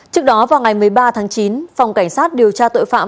trước đó vào ngày một mươi ba tháng chín phòng cảnh sát điều tra tội phạm